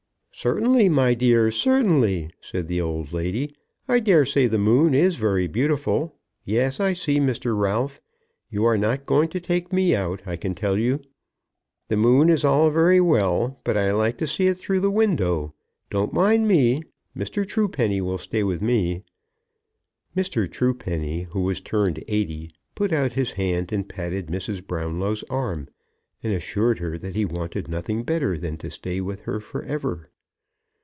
"Certainly, my dears; certainly," said the old lady. "I dare say the moon is very beautiful. Yes; I see Mr. Ralph. You are not going to take me out, I can tell you. The moon is all very well, but I like to see it through the window. Don't mind me. Mr. Truepeny will stay with me." Mr. Truepeny, who was turned eighty, put out his hand and patted Mrs. Brownlow's arm, and assured her that he wanted nothing better than to stay with her for ever.